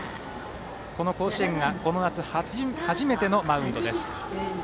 この甲子園がこの夏初めてのマウンドです。